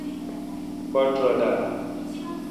بٹ رل آ